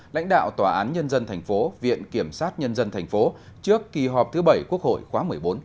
lãnh đạo tòa án nhân dân thành phố viện kiểm sát nhân dân tp trước kỳ họp thứ bảy quốc hội khóa một mươi bốn